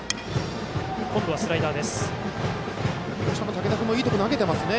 竹田君もいいところ投げていますよね。